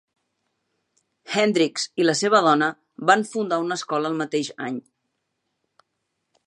Hendrix i la seva dona van fundar una escola el mateix any.